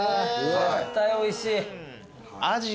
絶対おいしい。